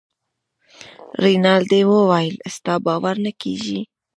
رینالډي وویل ستا باور نه کیږي.